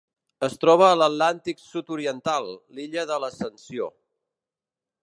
Es troba a l'Atlàntic sud-oriental: l'Illa de l'Ascensió.